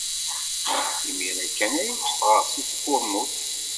Imir-a kan ay d-ffɣeɣ seg tkurmut.